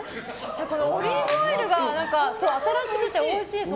オリーブオイルが新しくておいしいです。